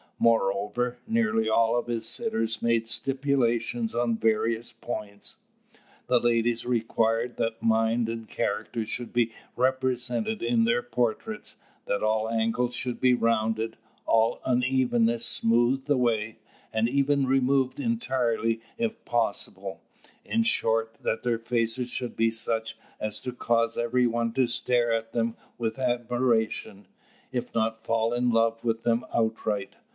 Moreover, nearly all of his sitters made stipulations on various points. The ladies required that mind and character should be represented in their portraits; that all angles should be rounded, all unevenness smoothed away, and even removed entirely if possible; in short, that their faces should be such as to cause every one to stare at them with admiration, if not fall in love with them outright.